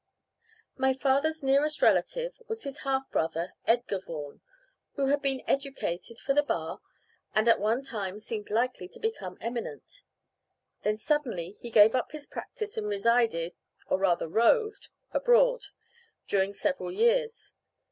My father's nearest relative was his half brother, Edgar Vaughan, who had been educated for the Bar, and at one time seemed likely to become eminent; then suddenly he gave up his practice, and resided (or rather roved) abroad, during several years.